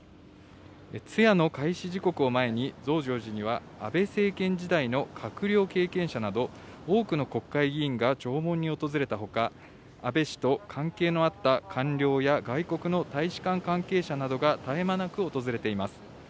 通夜の開始時刻を前に、増上寺には、安倍政権時代の閣僚経験者など、多くの国会議員が弔問に訪れたほか、安倍氏と関係のあった官僚や外国の大使館関係者などが絶え間なく訪れています。